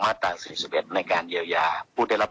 วาดต่ำศึกษุเบ็บในการเยียวยาผู้ได้รับ